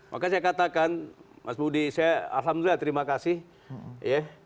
maka saya katakan mas budi saya alhamdulillah terima kasih ya